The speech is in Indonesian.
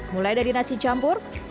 mulai dari nasi campur